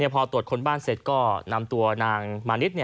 พอตรวจคนบ้านเสร็จก็นำตัวนางมานิด